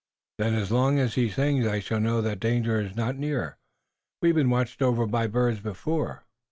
"Then as long as he sings I shall know that danger is not near. We have been watched over by birds before."